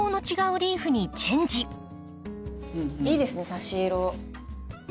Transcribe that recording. いいですね差し色。